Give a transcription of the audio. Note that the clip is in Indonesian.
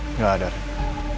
nggak ada riki